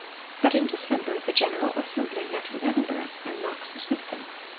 But in December the General Assembly met in Edinburgh, and Knox was with them.